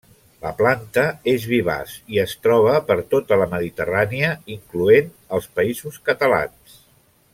La planta és vivaç i es troba per tota la mediterrània incloent els Països Catalans.